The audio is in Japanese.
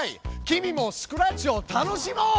君もスクラッチを楽しもう！